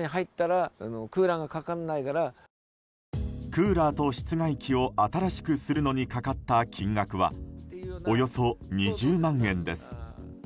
クーラーと室外機を新しくするのにかかった金額はおよそ２０万円です。